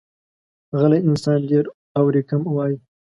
غلی انسان، ډېر اوري، کم وایي.